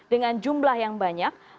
dengan jumlah yang banyak